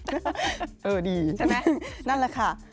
เออดีใช่ไหมนั่นแหละค่ะนั่นแหละค่ะ